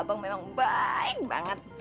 abang memang baik banget